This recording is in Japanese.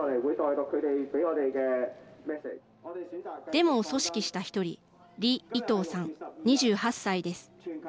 デモを組織した１人李・イ棠さん２８歳です。